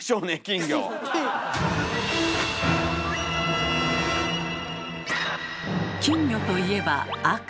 金魚⁉金魚といえば赤。